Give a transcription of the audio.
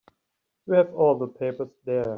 You have all the papers there.